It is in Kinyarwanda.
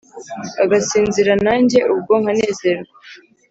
bagasinzira nanjye ubwo nkanezerwa